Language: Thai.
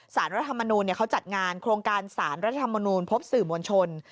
รัฐมนูลเขาจัดงานโครงการสารรัฐธรรมนูลพบสื่อมวลชน